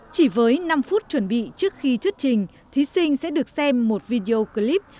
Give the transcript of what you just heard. chỉ với năm phút chuẩn bị trước khi thuyết trình thí sinh sẽ được xem một video clip